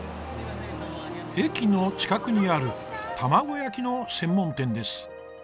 駅の近くにある卵焼きの専門店です。